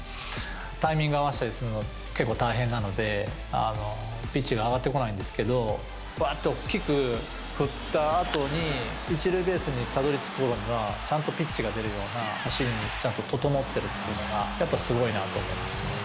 タイミングを合わせたりするの結構大変なので、ピッチが上がってこないんですけど、ばーっと大きく振ったあとに、１塁ベースにたどりつくころには、ちゃんとピッチが出るような走りにちゃんと整ってるっていうのが、やっぱすごいなと思いますね。